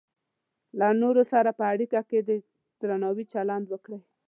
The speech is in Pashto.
له نورو سره په اړیکه کې د درناوي چلند وکړئ.